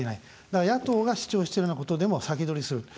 だから野党が主張しているようなことでも、先取りする。